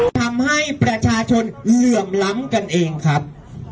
ทำให้ประชาชนเหลื่อมล้ำกันเองครับ